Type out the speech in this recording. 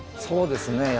そうですね